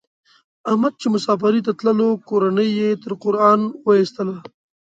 احمد چې مسافرۍ ته تللو کورنۍ یې تر قران و ایستلا.